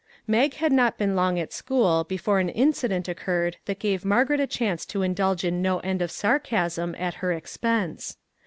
Mag had not been long at school before an in cident occurred that gave Margaret a chance to indulge in no end of sarcasm at her expense.